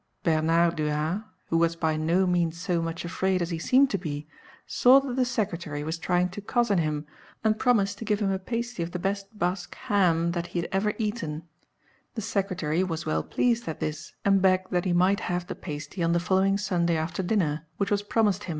Bernard du Ha, who was by no means so much afraid as he seemed to be, saw that the secretary was trying to cozen him, and promised to give him a pasty of the best Basque ham (3) that he had ever eaten. The secretary was well pleased at this, and begged that he might have the pasty on the following Sunday after dinner, which was promised him. 3 So called Bayonne ham is still held in repute in France.